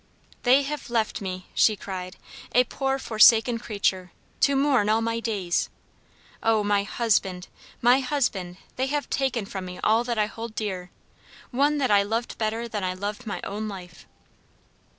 "They have left me," she cried, "a poor, forsaken creature, to mourn all my days! Oh, my husband, my husband, they have taken from me all that I hold dear! one that I loved better than I loved my own life!"